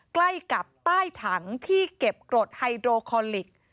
ใกล้กับใต้ถังที่เก็บกรดไฮโดรคอลิก